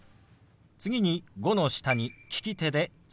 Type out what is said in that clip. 次「５」の下に利き手で「月」。